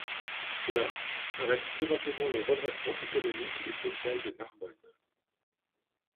La arrête durablement le redressement économique et social de Narbonne.